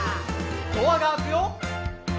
「ドアが開くよ」